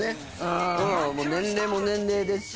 年齢も年齢ですし。